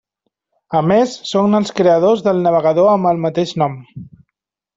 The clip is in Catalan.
A més són els creadors del navegador amb el mateix nom.